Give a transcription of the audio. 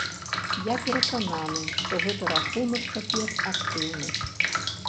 Я перакананы, што гэты рахунак цяпер актыўны.